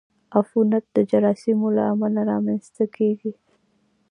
عفونت د جراثیمو له امله رامنځته کېږي.